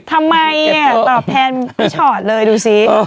ทำไมตอบแทนพี่ชอตเลยดูสิ